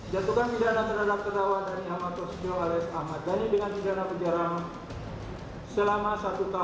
jatuhkan pidana terhadap ketahuan dhani ahmad prasetyo alias ahmad dhani